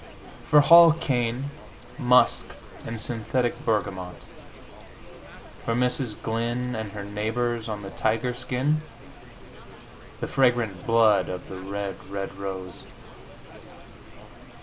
For Hall Caine, musk and synthetic bergamot. For Mrs. Glyn and her neighbors on the tiger skin, the fragrant blood of the red, red rose.